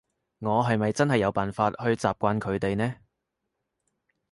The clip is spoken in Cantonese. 我係咪真係有辦法去習慣佢哋呢？